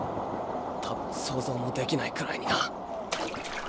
多分想像もできないくらいにな。